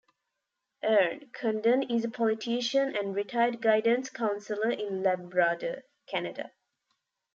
"Ern" Condon is a politician and retired guidance counsellor in Labrador, Canada.